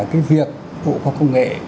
cái việc bộ quốc công nghệ